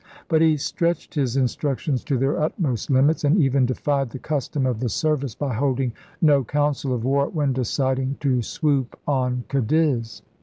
But he stretched his instruc tions to their utmost limits and even defied the custom of the service by holding no council of war when deciding to swoop on Cadiz.